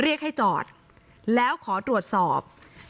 เรียกให้จอดแล้วขอตรวจสอบ